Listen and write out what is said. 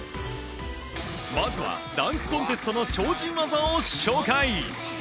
まずはダンクコンテストの超人技を紹介。